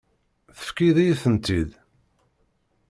Tefkiḍ-iyi-tent-id.